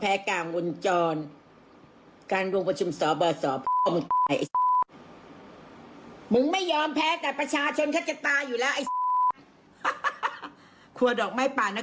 เองค่ะ